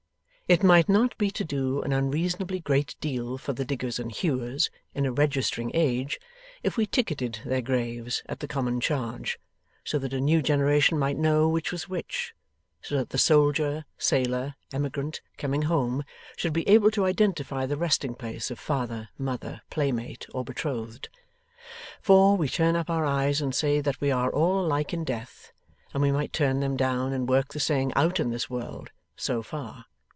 It might not be to do an unreasonably great deal for the diggers and hewers, in a registering age, if we ticketed their graves at the common charge; so that a new generation might know which was which: so that the soldier, sailor, emigrant, coming home, should be able to identify the resting place of father, mother, playmate, or betrothed. For, we turn up our eyes and say that we are all alike in death, and we might turn them down and work the saying out in this world, so far.